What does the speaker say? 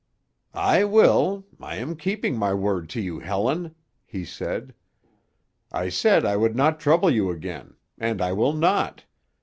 "I will—I am keeping my word to you, Helen," he said. "I said I would not trouble you again; and I will not.